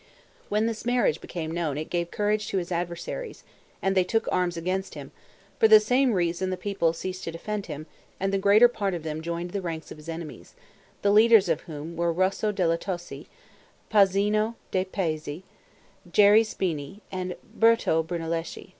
When this marriage became known it gave courage to his adversaries, and they took arms against him; for the same reason the people ceased to defend him, and the greater part of them joined the ranks of his enemies, the leaders of whom were Rosso della Tosa, Pazino dei Pazzi, Geri Spini, and Berto Brunelleschi.